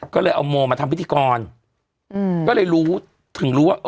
ก็เลยเอาโมมาทำพิธีกรอืมก็เลยรู้ถึงรู้ว่า